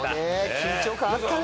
緊張感あったね。